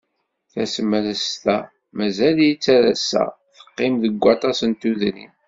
Tasemrest-a, mazal-itt ar ass-a teqqim deg waṭas n tudrin.